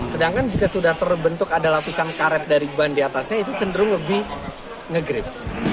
sedangkan jika sudah terbentuk ada lapisan karet dari ban di atasnya itu cenderung lebih nge grip